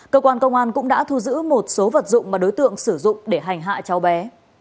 cơ quan công an cũng đã thu giữ một số vật dụng mà đối tượng sử dụng để hành hạ cháu bé